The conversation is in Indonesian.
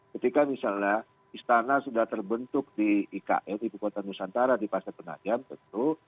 ketika misalnya istana sudah terbentuk di ikl ibu kota nusantara di pasar penajam tentu